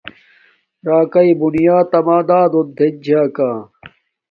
راکاݵ بونیات اما دادون تھین چھا کا